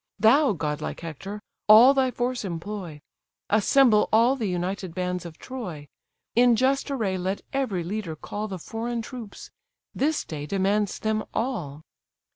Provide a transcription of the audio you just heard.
Thou, godlike Hector! all thy force employ, Assemble all the united bands of Troy; In just array let every leader call The foreign troops: this day demands them all!"